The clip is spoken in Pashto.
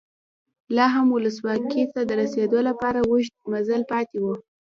لا هم ولسواکۍ ته د رسېدو لپاره اوږد مزل پاتې و.